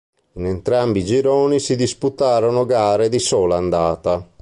In entrambi i gironi si disputarono gare di sola andata.